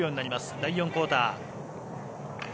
第４クオーター。